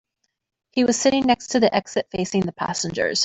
He was sitting next to the exit, facing the passengers.